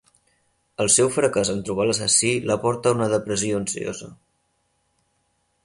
El seu fracàs en trobar l'assassí la porta a una depressió ansiosa.